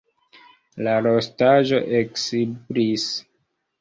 La rostaĵo eksiblis.